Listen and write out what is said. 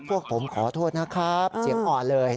พวกผมขอโทษนะครับเสียงอ่อนเลย